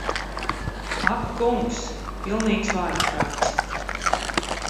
Ak kungs. Pilnīgs vājprāts.